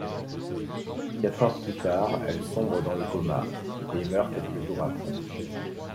Quatre heures plus tard elle sombre dans le coma, et meurt quelques jours après.